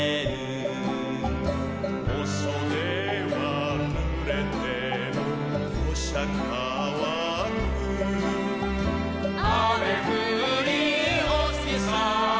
「お袖はぬれても干しゃかわく」「雨降りお月さん